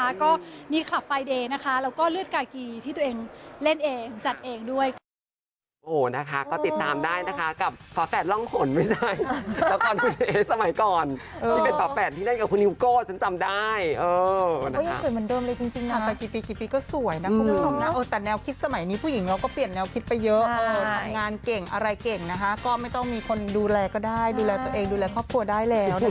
แล้วก็มีคลับไฟเดย์นะคะแล้วก็เลือดกากีที่ตัวเองเล่นเองจัดเองด้วยค่ะ